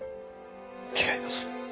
違います。